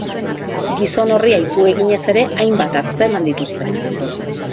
Gizon horri aipu eginez ere hainbat antzeman dituzte.